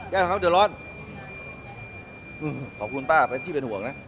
แก้ปัญหาเขาเดือดร้อนขอบคุณป้าเป็นที่เป็นห่วงนะ